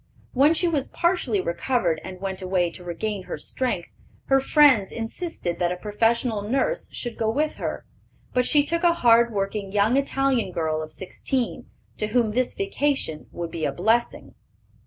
When she was partially recovered and went away to regain her strength, her friends insisted that a professional nurse should go with her; but she took a hard working young Italian girl of sixteen, to whom this vacation would be a blessing.